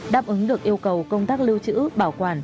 đáp ứng được yêu cầu công tác lưu trữ bảo quản